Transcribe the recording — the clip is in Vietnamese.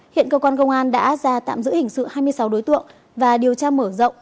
hiện cơ quan công an đã ra tạm giữ hình sự hai mươi sáu đối tượng và điều tra mở rộng